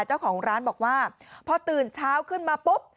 เจ้าของร้านบอกว่าพอตื่นเช้าขึ้นมาปุ๊บ